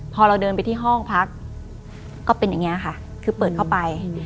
พอเราเดินไปที่ห้องพักก็เป็นอย่างนี้ค่ะคือเปิดเข้าไป